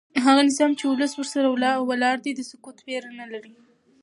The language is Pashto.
هغه نظام چې ولس ورسره ولاړ وي د سقوط ویره نه لري